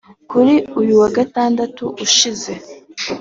Kuri uyu wa gatandatu ushize